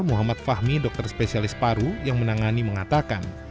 muhammad fahmi dokter spesialis paru yang menangani mengatakan